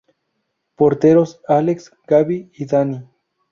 Porteros: Alex, Gabi y Dani.